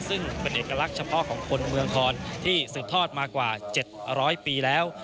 ซึ่งเป็นเอกลักษณ์เฉพาะของคนเมืองคอนที่สืบทอดมากว่า๗๐๐ปีแล้ว